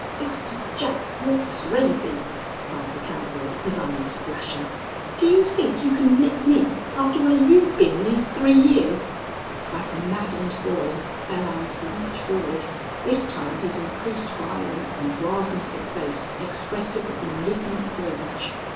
"Buster Jack you're crazy!" cried the cowboy, his eyes flashing. "Do you think you can lick me after where you've been these three years?" Like a maddened boy Belllounds leaped forward, this time his increased violence and wildness of face expressive of malignant rage.